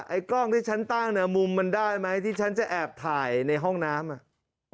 ไอ้กล้องที่ฉันตั้งเนี่ยมุมมันได้ไหมที่ฉันจะแอบถ่ายในห้องน้ำอ่ะ